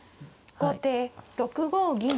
後手６五銀。